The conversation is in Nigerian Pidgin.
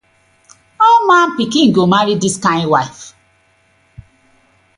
How man pikin go marry dis kind wife.